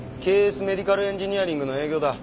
Ｋ．Ｓメディカルエンジニアリングの営業だ。